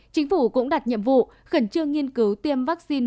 chính phủ cũng đặt nhiệm vụ khẩn trương nghiên cứu tiêm vaccine